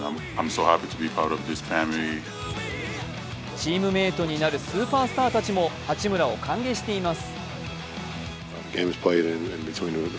チームメイトになるスーパースターたちも八村を歓迎しています。